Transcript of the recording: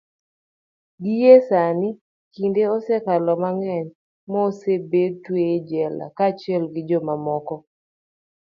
gie sani, kinde osekalo mang'eny ma osebed tweye e jela kaachiel gi jomamoko